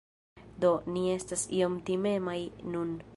Do, ni estas iom timemaj nun